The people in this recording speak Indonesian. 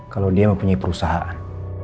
kalau dia mempunyai perusahaan